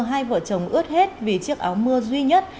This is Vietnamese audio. hai vợ chồng ướt hết vì chiếc áo mưa duy nhất